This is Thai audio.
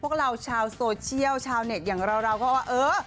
พวกเราชาวโซเชียลชาวเน็ตอย่างเราก็ว่าเออ